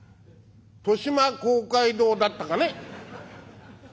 豊島公会堂だったかね」。